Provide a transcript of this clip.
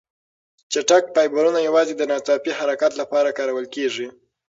چټک فایبرونه یوازې د ناڅاپي حرکت لپاره کارول کېږي.